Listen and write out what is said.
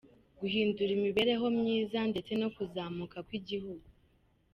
Guhindura imibereho myiza, ndetse no kuzamuka kw’igihugu.